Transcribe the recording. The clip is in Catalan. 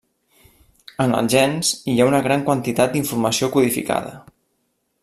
En els gens, hi ha una gran quantitat d'informació codificada.